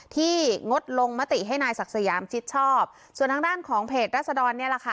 งดลงมติให้นายศักดิ์สยามชิดชอบส่วนทางด้านของเพจรัศดรเนี่ยแหละค่ะ